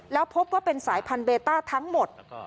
แล้วพบว่าเป็นสายพันธุเบต้าทั้งหมด